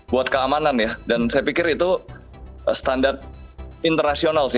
buat keamanan ya dan saya pikir itu standar internasional sih